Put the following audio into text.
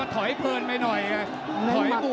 ตามต่อยกที่สองครับ